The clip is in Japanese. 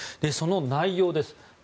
その内容です。